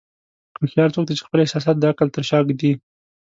هوښیار څوک دی چې خپل احساسات د عقل تر شا ږدي.